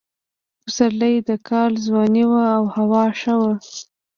پسرلی د کال ځواني وه او هوا ښه وه.